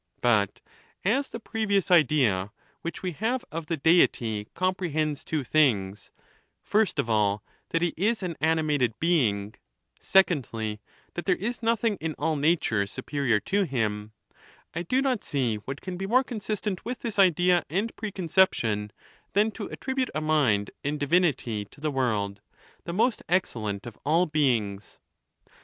But as the previous idea which we have of the Deity comprehends two things — first of all, that he is an animated being ; secondly, that there is nothing in all nature superior to him — I do not see what can be more consistent with this idea and pre conception than to attribute a mind and divinity to the world," the most excellent of all beings.